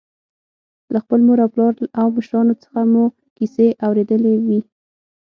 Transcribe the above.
له خپل مور او پلار او مشرانو څخه به مو کیسې اورېدلې وي.